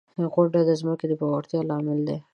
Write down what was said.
• غونډۍ د ځمکې د پیاوړتیا لامل دی.